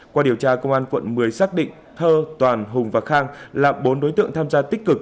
qua điều tra công an quận một mươi xác định thơ toàn hùng và khang là bốn đối tượng tham gia tích cực